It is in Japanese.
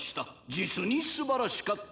実に素晴らしかった。